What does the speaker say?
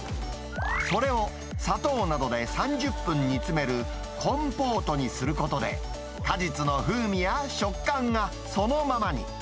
それを砂糖などで３０分煮詰めるコンポートにすることで、果実の風味や食感がそのままに。